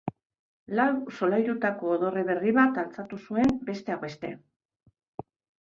Lau solairutako dorre berri bat altxatu zuen besteak beste.